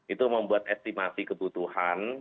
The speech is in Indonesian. itu membuat estimasi kebutuhan